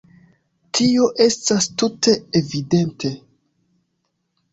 Tio estas tute evidente.